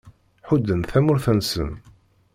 Ḥudden tamurt-nnsen